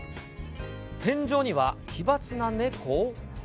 天井には、奇抜な猫？